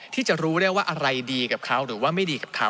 ที่จะรู้ได้ว่าอะไรดีกับเขาหรือว่าไม่ดีกับเขา